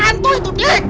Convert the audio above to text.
itu hantu dik